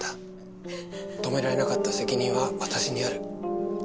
止められなかった責任は私にある。